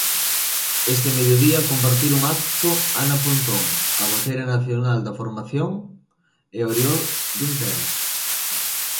Este mediodía compartiron acto Ana Pontón, a voceira nacional da formación e Oriol Junqueras.